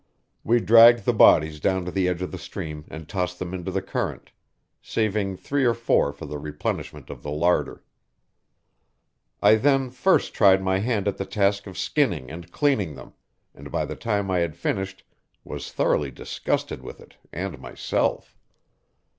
We dragged the bodies down to the edge of the stream and tossed them into the current, saving three or four for the replenishment of the larder. I then first tried my hand at the task of skinning and cleaning them, and by the time I had finished was thoroughly disgusted with it and myself.